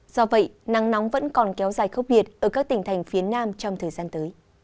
do vậy nắng nóng vẫn còn kéo dài khốc liệt ở các tỉnh thành phía nam trong thời gian tới